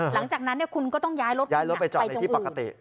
หลังจากนั้นคุณก็ต้องย้ายรถย้ายรถไปจอดในที่ปกติ